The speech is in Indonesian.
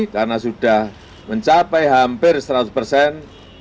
karena sudah mencapai hampir seratus persen